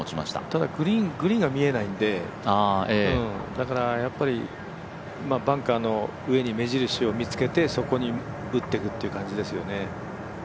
ただ、グリーンが見えないんでやっぱりバンカーの上に目印を見つけてそこに打ってくって感じですよね。